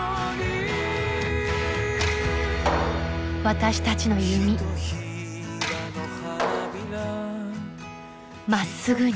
私たちの弓まっすぐに。